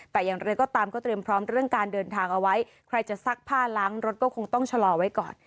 แต่อย่างไรก็ตามก็เตรียมพร้อมเรื่องการเดินทางเอาไว้ใครจะซักผ้าล้างรถก็คงต้องชะลอไว้ก่อน